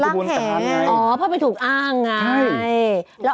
ป่ามึงเป็นไงอ่ะ